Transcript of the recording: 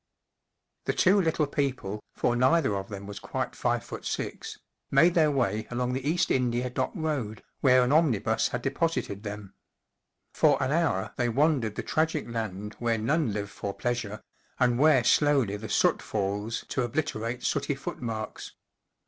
George T HE two little people, for neither of them was quite five foot six, made their way along the East India Dock Road, where an omnibus had deposited them. For an hour they wandered the tragic land where none live for pleasure, and where slowly the soot falls to obliterate sooty footmarks.